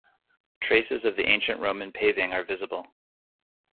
Traces of the ancient Roman paving are visible.